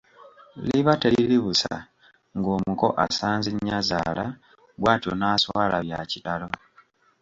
Liba teriri busa ng’omuko asanze Nnyazaala bw’atyo n’aswala bya kitalo.